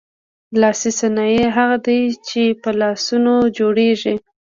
لاسي صنایع هغه دي چې په لاسونو جوړیږي.